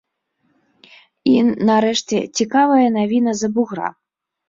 І, нарэшце, цікавая навіна з-за бугра.